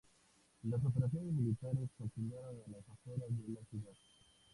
Las operaciones militares continuaron a las afueras de la ciudad.